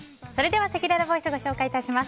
せきららボイスご紹介します。